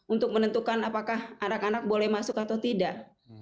untuk menentukan apakah anak anak boleh masuk atau tidak